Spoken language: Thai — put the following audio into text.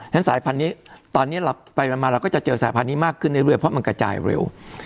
ฉะสายพันธุ์นี้ตอนนี้เราไปมาเราก็จะเจอสายพันธุนี้มากขึ้นเรื่อยเพราะมันกระจายเร็ว